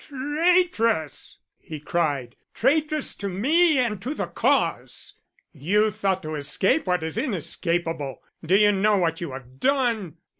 "Traitress!" he cried, "traitress to me and to the Cause. You thought to escape what is inescapable. Do you know what you have done?